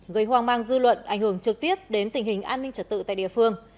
gây hoang mang dư luận ảnh hưởng trực tiếp đến tình hình an ninh trật tự tại địa phương